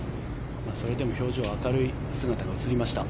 それでも表情は明るい姿が映りました。